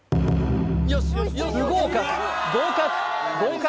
不合格合格合格